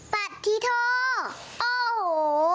ปฏิโทษโอ้โห